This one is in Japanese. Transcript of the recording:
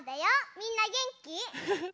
みんなげんき？